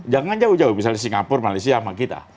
jangan jauh jauh misalnya singapura malaysia sama kita